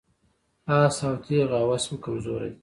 آس او تیغ هوس مې کمزوري ده.